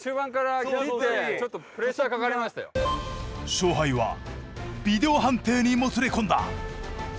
勝敗はビデオ判定にもつれ込んだ。